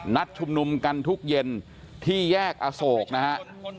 ชุมนุมกันทุกเย็นที่แยกอโศกนะฮะ